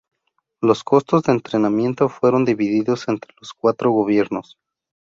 Los costos de entrenamiento fueron divididos entre los cuatro gobiernos.